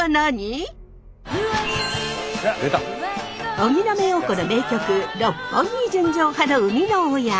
荻野目洋子の名曲「六本木純情派」の生みの親